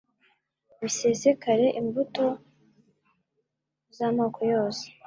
bisesekare imbuto z’amoko yose